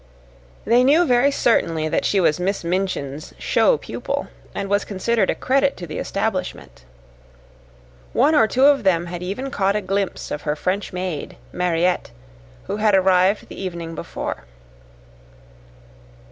They knew very certainly that she was Miss Minchin's show pupil and was considered a credit to the establishment. One or two of them had even caught a glimpse of her French maid, Mariette, who had arrived the evening before.